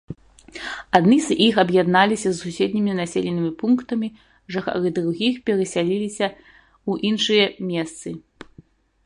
Адны з іх аб'ядналіся з суседнімі населенымі пунктамі, жыхары другіх перасяліліся ў іншыя месцы.